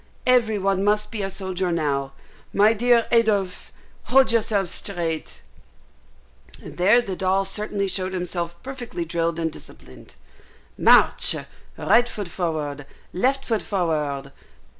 Every one must be a soldier now. My dear Adolphe, hold yourself straight" (and there the doll certainly showed himself perfectly drilled and disciplined). "March right foot forward left foot forward."